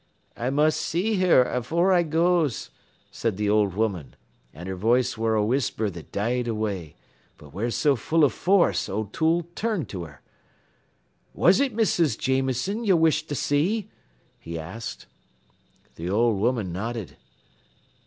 "'I must see her afore I goes,' says th' old woman, an' her voice ware a whisper that died away, but ware so full av force O'Toole turned to her. "'Was it Mrs. Jameson ye wished to see?' he asked. "The old woman nodded.